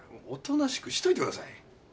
おとなしくしといてください。